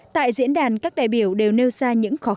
tại diễn đàn các đại biểu đều nêu ra những khó khăn